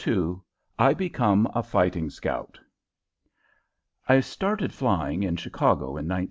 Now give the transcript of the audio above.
II I BECOME A FIGHTING SCOUT I started flying, in Chicago, in 1912.